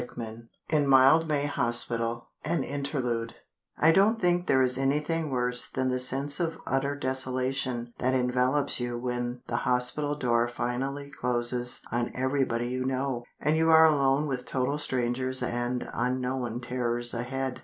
XIV In Mildmay Hospital—An Interlude I DON'T think there is anything worse than the sense of utter desolation that envelops you when the hospital door finally closes on everybody you know, and you are alone with total strangers and unknown terrors ahead.